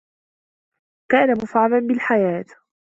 كان مفعما بالحياة.